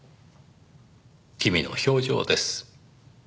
君の表情です。